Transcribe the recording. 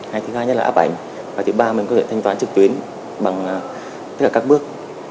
hay thứ hai nhất là áp ảnh và thứ ba mình có thể thanh toán trực tuyến bằng tất cả các bước